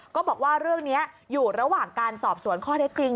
ก็บอกว่าเรื่องนี้อยู่ระหว่างการสอบสวนข้อเท็จจริง